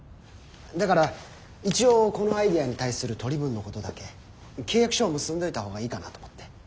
だから一応このアイデアに対する取り分のことだけ契約書を結んどいた方がいいかなと思って。